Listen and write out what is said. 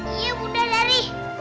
iya bunda dari